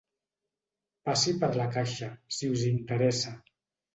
Passi per la caixa, si us interessa.